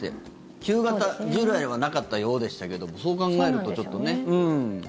旧型、従来ではなかったようでしたけどもそう考えると、ちょっとね。